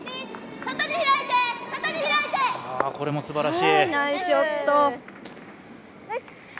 これもすばらしい！